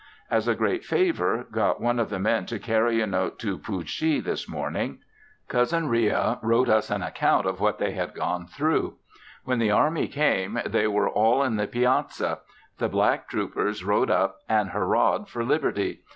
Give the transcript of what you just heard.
As a great favor, got one of the men to carry a note to Pooshee this morning. Cousin Ria wrote us an account of what they had gone through. When the army came they were all in the piazza. The black troopers rode up, and hurrahed for Liberty.